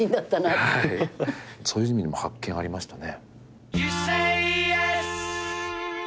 そういう意味でも発見ありましたね。